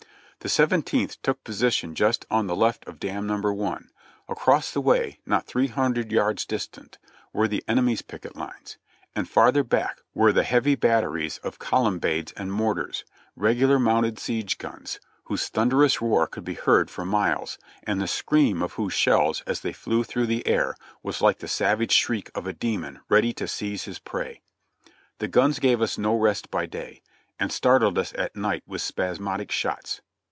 The Seventeenth took position just on the left of Dam No. i. Across the way, not three hundred yards distant, were the enemy's picket lines, and farther back were the heavy batteries of columbiads and mortars, regular mounted siege guns, whose thunderous roar could be heard for miles, and the scream of whose shells as they flew through the air was like the savage shriek of a demon ready to seize his prey. The guns gave us no rest by day, and startled us at night with spasmodic shots.